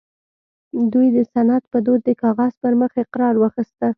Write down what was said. دوی د سند په دود د کاغذ پر مخ اقرار واخيسته